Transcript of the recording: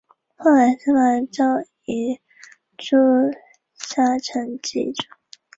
圣克里斯托夫德杜布尔。